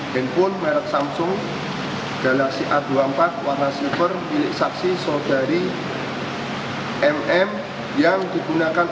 handphone merek samsung gala si a dua puluh empat warna silver milik saksi saudari mm yang digunakan